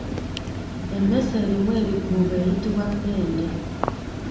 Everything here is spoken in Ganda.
Emmese erimu ebikuubo eyitibwa mmende.